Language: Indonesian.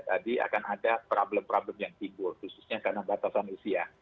tadi akan ada problem problem yang timbul khususnya karena batasan usia